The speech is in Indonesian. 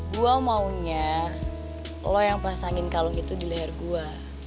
gue maunya lo yang pasangin kalung itu di leher gua